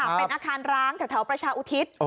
เป็นอาคารร้างแถวประชาอุทิศ